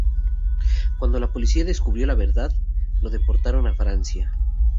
Cuando la policía descubrió la verdad, lo deportaron a Francia.